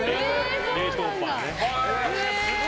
冷凍パンね。